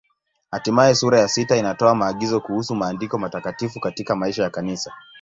Hatimaye sura ya sita inatoa maagizo kuhusu Maandiko Matakatifu katika maisha ya Kanisa.